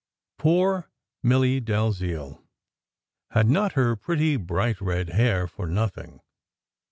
Poor Milly Dalziel had not her pretty, bright red hair for nothing.